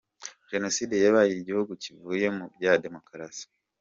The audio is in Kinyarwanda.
Jenoside yabaye igihugu kivuye mu bya demokarasi.